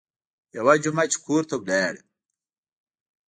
يوه جمعه چې کور ته ولاړم.